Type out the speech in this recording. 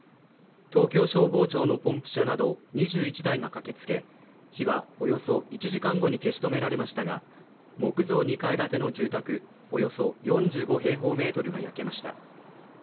東京消防庁のポンプ車など２１台が駆けつけ、火は、およそ１時間後に消し止められましたが木造２階建ての住宅およそ４５平方メートルが焼けました。